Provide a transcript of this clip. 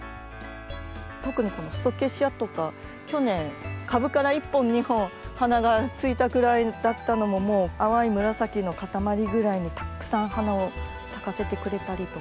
特にこのストケシアとか去年株から１本２本花がついたくらいだったのも淡い紫の固まりぐらいにたくさん花を咲かせてくれたりとか。